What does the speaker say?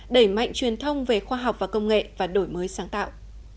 đẩy mạnh truyền thông về khoa học và công nghệ và đổi mới sáng tạo